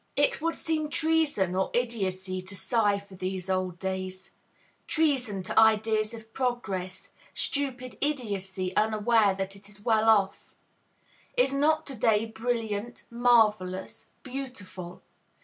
It would seem treason or idiocy to sigh for these old days, treason to ideas of progress, stupid idiocy unaware that it is well off. Is not to day brilliant, marvellous, beautiful?